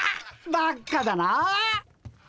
ばっかだなあ。